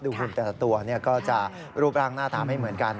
ดูหัวแต่ตัวก็จะรูปร่างหน้าตามให้เหมือนกัน